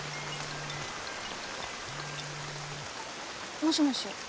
もしもし。